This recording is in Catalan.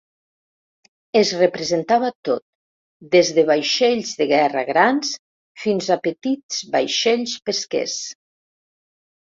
Es representava tot, des de vaixells de guerra grans fins a petits vaixells pesquers.